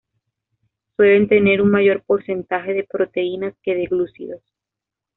Suelen tener un mayor porcentaje de proteínas que de glúcidos.